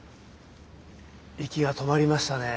息が止まりましたね。